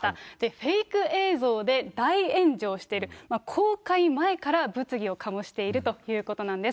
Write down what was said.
フェイク映像で大炎上している、公開前から物議を醸しているということなんです。